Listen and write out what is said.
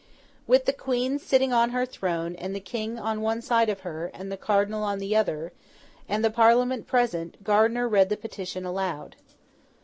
With the Queen sitting on her throne, and the King on one side of her, and the Cardinal on the other, and the Parliament present, Gardiner read the petition aloud.